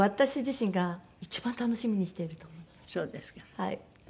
はい。